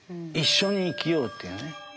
一緒に生きようっていうね。